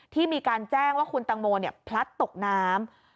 ที่มีการแจ้งว่าคุณตังโมพลัดตกน้ำ